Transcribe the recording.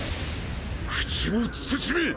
口を慎め！